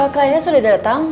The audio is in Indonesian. kliennya sudah datang